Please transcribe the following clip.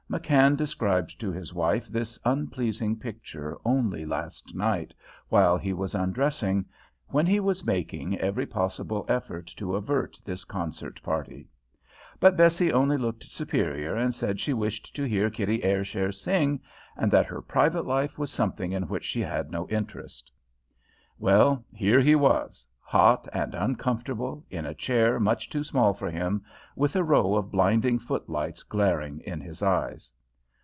McKann described to his wife this unpleasing picture only last night, while he was undressing, when he was making every possible effort to avert this concert party. But Bessie only looked superior and said she wished to hear Kitty Ayrshire sing, and that her "private life" was something in which she had no interest. Well, here he was; hot and uncomfortable, in a chair much too small for him, with a row of blinding footlights glaring in his eyes.